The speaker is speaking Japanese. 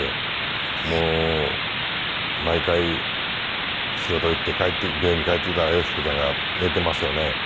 もう毎回仕事へ行って病院に帰ってきたら佳子ちゃんが寝ていますよね。